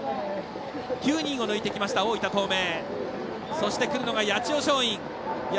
９人を抜いてきた大分東明。